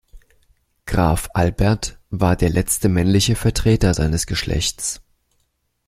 Graf Albert war der letzte männliche Vertreter seines Geschlechts.